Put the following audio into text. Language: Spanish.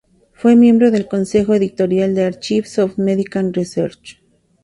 Fue miembro del consejo editorial de "Archives of Medical Research".